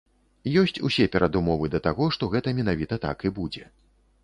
Ёсць усе перадумовы да таго, што гэта менавіта так і будзе.